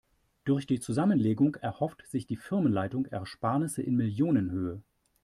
Durch die Zusammenlegung erhofft sich die Firmenleitung Ersparnisse in Millionenhöhe.